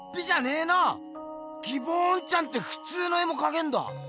ギボーンちゃんってふつうの絵もかけるんだ！